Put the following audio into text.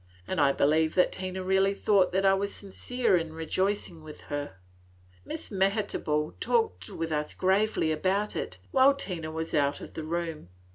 And I believe that Tina really thought that I was sincere in rejoicing with her. Miss Mehitable talked with us gravely about it while Tina was out of the room.